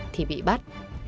thì bị bắt